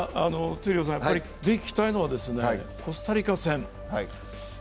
ぜひ聞きたいのはコスタリカ戦。